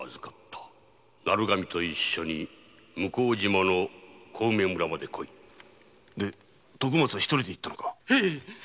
鳴神と一緒に向島の小梅村まで来い」で徳松は一人で行ったのか？